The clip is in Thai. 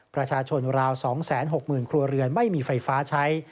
ประชาชนราว๒๖๐๐๐ครัวเรือนไม่มีไฟฟ้าใช้